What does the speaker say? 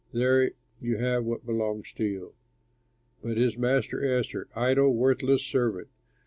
There you have what belongs to you.' "But his master answered, 'Idle, worthless servant!